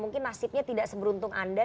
mungkin nasibnya tidak seberuntung anda